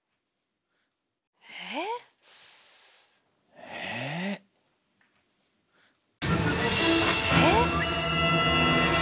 ええ？えっ。